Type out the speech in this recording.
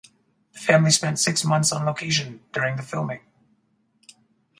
The family spent six months on location during the filming.